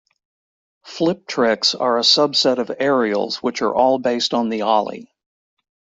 "Flip tricks" are a subset of aerials which are all based on the ollie.